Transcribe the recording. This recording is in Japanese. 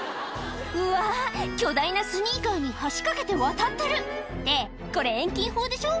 うわ巨大なスニーカーに橋架けて渡ってるってこれ遠近法でしょ？